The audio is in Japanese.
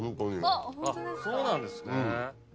あっそうなんですね。